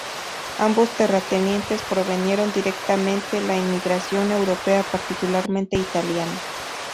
Ambos terratenientes promovieron directamente la inmigración europea, particularmente italiana.